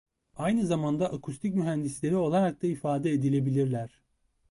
Aynı zamanda akustik mühendisleri olarak da ifade edilebilirler.